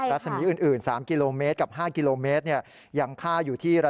รัศมีอื่น๓กิโลเมตรกับ๕กิโลเมตร